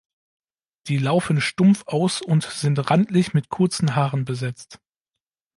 Die laufen stumpf aus und sind randlich mit kurzen Haaren besetzt.